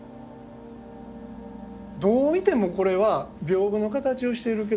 どう見てもこれは屏風の形をしているけど西洋絵画ですよね。